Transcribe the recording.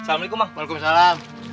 assalamualaikum bang waalaikumsalam